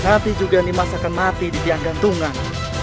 nanti juga nimas akan mati di tiang gantungan